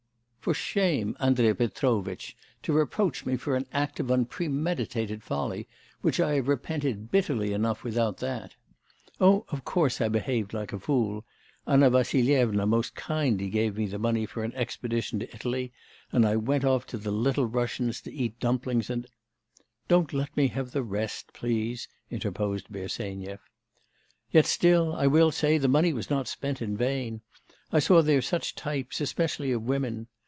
'For shame, Andrei Petrovitch, to reproach me for an act of unpremeditated folly, which I have repented bitterly enough without that. Oh, of course, I behaved like a fool; Anna Vassilyevna most kindly gave me the money for an expedition to Italy, and I went off to the Little Russians to eat dumplings and ' 'Don't let me have the rest, please,' interposed Bersenyev. 'Yet still, I will say, the money was not spent in vain. I saw there such types, especially of women....